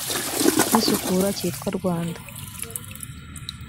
n isukura cyitwa rwanda